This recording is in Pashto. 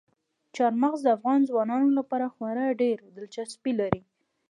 چار مغز د افغان ځوانانو لپاره خورا ډېره دلچسپي لري.